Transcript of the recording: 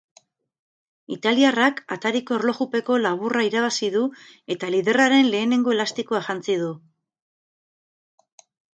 Italiarrak atariko erlojupeko laburra irabazi du eta liderraren lehenengo elastikoa jantzi du.